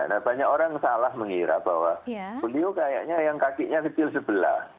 nah banyak orang salah mengira bahwa beliau kayaknya yang kakinya kecil sebelah